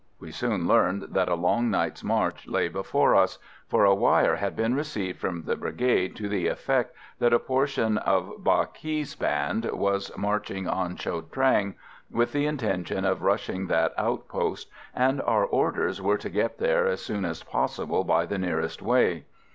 We soon learned that a long night's march lay before us; for a wire had been received from the Brigade, to the effect that a portion of Ba Ky's band was marching on Cho Trang with the intention of rushing that outpost, and our orders were to get there as soon as possible by the nearest way.